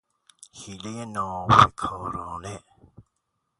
حیلهی نابکارانه